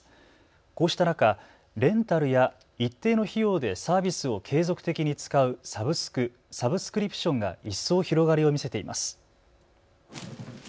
こうした中、レンタルや一定の費用でサービスを継続的に使うサブスク・サブスクリプションが一層広がりを見せています。